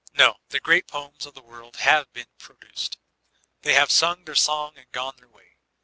No, the great poems of the world have betn produced ; they have sung their song and gone their way.